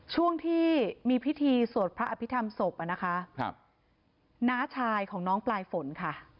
ช่วงที่มีพิธีสวดพระอภิษฐรรมศพอ่ะนะคะครับน้าชายของน้องปลายฝนค่ะ